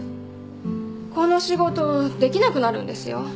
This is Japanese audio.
この仕事できなくなるんですよ。